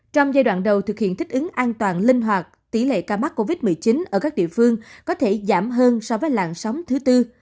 trong giai đoạn đầu thực hiện thích ứng an toàn linh hoạt tỷ lệ ca mắc covid một mươi chín ở các địa phương có thể giảm hơn so với làn sóng thứ tư